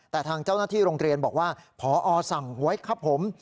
แต่ทางเจ้าหน้าที่โรงเรียนบอกว่าพอสั่งไว้ครับผม